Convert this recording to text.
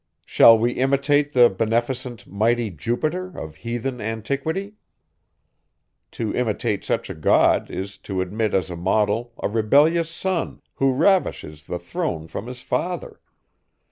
Shall we imitate the beneficent, mighty Jupiter of heathen antiquity? To imitate such a god, is to admit as a model, a rebellious son, who ravishes the throne from his father.